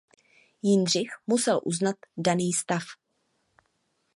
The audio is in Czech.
Jindřich musel uznat daný stav.